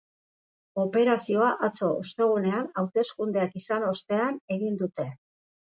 Operazioa atzo, ostegunean, hauteskundeak izan ostean egin dute.